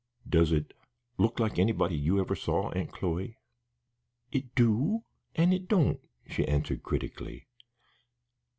"Does it look like anybody you ever saw, Aunt Chloe?" "It do an' it don't," she answered critically.